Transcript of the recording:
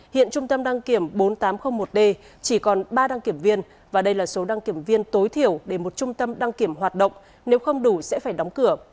hiện trung tâm đăng kiểm bốn nghìn tám trăm linh một d chỉ còn ba đăng kiểm viên và đây là số đăng kiểm viên tối thiểu để một trung tâm đăng kiểm hoạt động nếu không đủ sẽ phải đóng cửa